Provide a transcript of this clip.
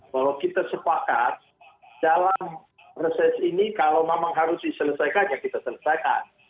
bahwa kita sepakat dalam proses ini kalau memang harus diselesaikan ya kita selesaikan